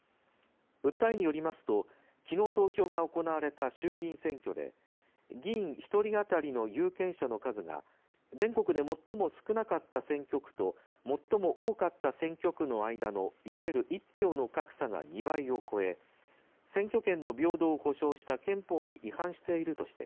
訴えによりますときのう投票が行われた衆議院選挙で議員１人当たりの有権者の数が全国で最も少なかった選挙区と最も多かった選挙区の間のいわゆる１票の格差が２倍を超え選挙権の平等を保障した憲法に違反しているとして